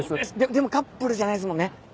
でもカップルじゃないですもんね？